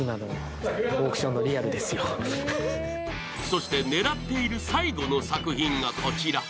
そして狙っている最後の作品がこちら。